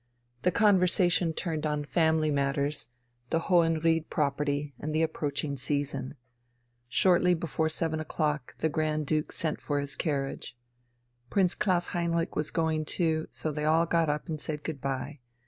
The conversation turned on family matters, the "Hohenried" property, and the approaching season. Shortly before seven o'clock the Grand Duke sent for his carriage. Prince Klaus Heinrich was going too, so they all got up and said good bye.